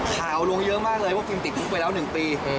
ลงเยอะมากเลยว่าฟิลติดคุกไปแล้ว๑ปี